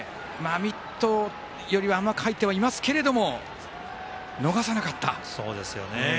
ミットよりは甘く入ってはいますけど逃さなかった。